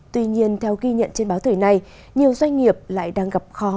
tuy nhiên theo ghi nhận trên báo thời này nhiều doanh nghiệp lại đang gặp khó